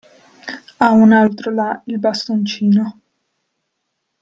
A un altro là il bastoncino.